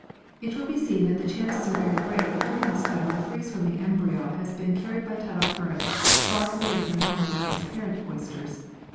It will be seen that the chances are very great that during this time the free swimming embryo has been carried by tidal currents far away from the home of its parent oysters.